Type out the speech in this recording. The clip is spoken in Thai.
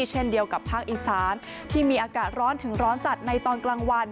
เช่นเดียวกับภาคอีสานที่มีอากาศร้อนถึงร้อนจัดในตอนกลางวัน